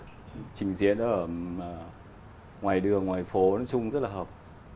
trình diễn ở ngoài đường ngoài phố nói chung rất là hợp